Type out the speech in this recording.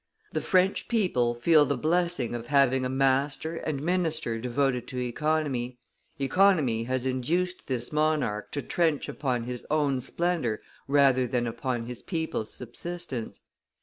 The French people feel the blessing of having a master and minister devoted to economy; economy has induced this monarch to trench upon his own splendor rather than upon his people's subsistence.